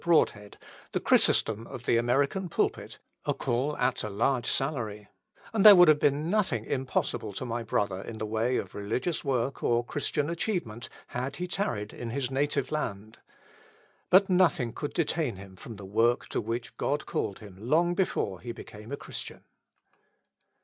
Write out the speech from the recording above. Broadhead, the Chrysostom of the American pulpit, a call at a large salary; and there would have been nothing impossible to my brother in the way of religious work or Christian achievement had he tarried in his native land. But nothing could detain him from the work to which God called him long before he became a Christian.